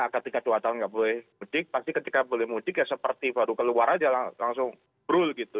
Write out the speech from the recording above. ketika dua tahun nggak boleh mudik pasti ketika boleh mudik ya seperti baru keluar aja langsung brul gitu